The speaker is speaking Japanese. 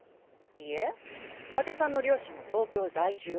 いえ伊達さんの両親も東京在住。